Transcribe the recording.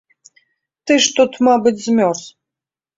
Ты ж тут, мабыць, змёрз.